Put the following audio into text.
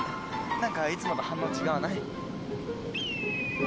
何かいつもと反応違わない？